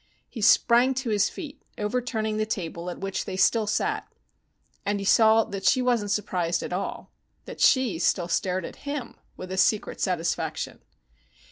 He sprang to his feet, overturning the table at which they still sat. And he saw that she wasn't surprised at all, that she still stared at him with a secret satisfaction.